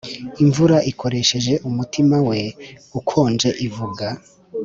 imvura ikoresheje umutima we ukonje ivuga